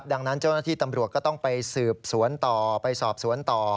ดังนั้นเจ้าหน้าที่ตำรวจก็ต้องไปสืบสวนต่อไปสอบสวนต่อ